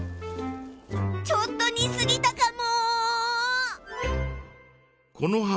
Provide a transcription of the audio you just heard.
ちょっと似すぎたかも。